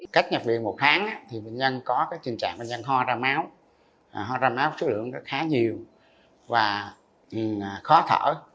cách nhập viện một tháng bệnh nhân có trình trạng ho ra máu ho ra máu khá nhiều khó thở